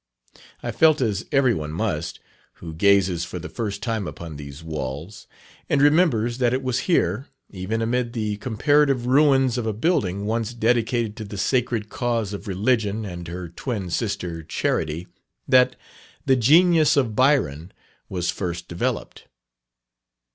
I felt as every one must, who gazes for the first time upon these walls, and remembers that it was here, even amid the comparative ruins of a building once dedicated to the sacred cause of Religion and her twin sister, Charity, that the genius of Byron was first developed.